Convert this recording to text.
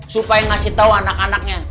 supaya ngasih tahu anak anaknya